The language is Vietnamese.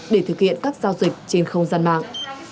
để thực hiện các giao dịch trên không gian mạng